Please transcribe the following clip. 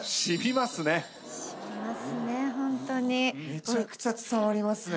めちゃくちゃ伝わりますね